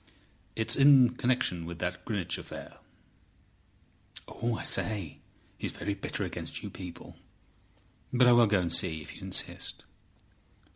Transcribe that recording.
"It's in connection with that Greenwich affair." "Oh! I say! He's very bitter against you people. But I will go and see, if you insist."